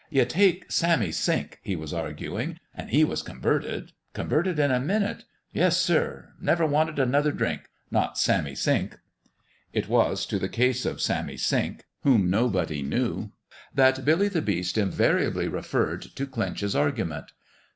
" You take Sammy Sink," he was arguing, " an' he was converted. Converted in a minute. Yes, sir. Never wanted another drink. BILLY the BEAST STARTS HOME 1 19 Not Sammy Sink." It was to the case of Sammy Sink whom nobody knew that Billy the Beast invariably referred to clinch his argu ment.